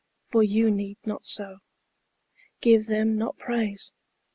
For you need not so. Give them not praise.